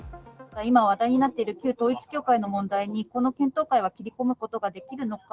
今、話題になっている旧統一教会の問題に、この検討会は切り込むことができるのか。